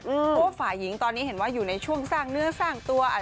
เพราะว่าฝ่ายหญิงตอนนี้เห็นว่าอยู่ในช่วงสร้างเนื้อสร้างตัว